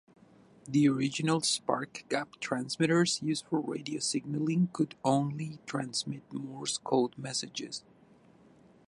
The original spark-gap transmitters used for radio signalling could only transmit Morse code messages.